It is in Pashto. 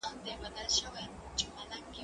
زه اجازه لرم چي قلم استعمالوم کړم!!